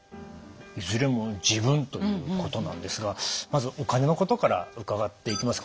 いずれも「自分」ということなんですがまずお金のことから伺っていきます。